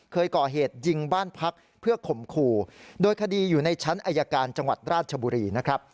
เคยก่อเหตุยิงบ้านพักเพื่อข่มขู่โดยคดีอยู่ในชั้นอายการจังหวัดราชบุรีนะครับ